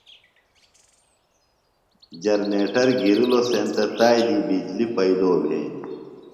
جرنیٹر گِرلوۡ سینتہ تائی دی بجلیۡ پئیدو بھینیۡ۔